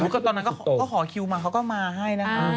ก็ตอนนั้นก็ขอคิวมาเขาก็มาให้นะคะ